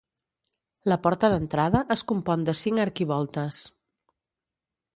La porta d'entrada es compon de cinc arquivoltes.